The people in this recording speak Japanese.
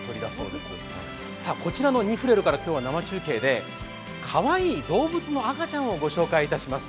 こちらのニフレルから今日は生中継でかわいい動物の赤ちゃんをご紹介します。